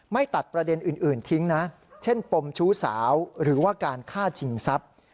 ไม่ตัดประเด็นอื่นทิ้งนะเช่นปมชู้สาวหรือว่าการฆ่าชิงทรัพย์